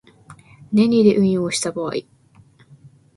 年利で運用した場合